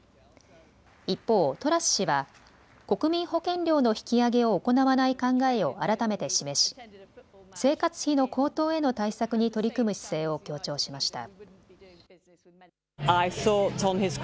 一方、トラス氏は国民保険料の引き上げを行わない考えを改めて示し、生活費の高騰への対策に取り組む姿勢を強調しました。